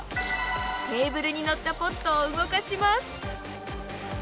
テーブルにのったポットを動かします。